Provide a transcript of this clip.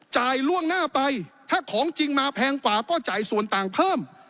ล่วงหน้าไปถ้าของจริงมาแพงกว่าก็จ่ายส่วนต่างเพิ่ม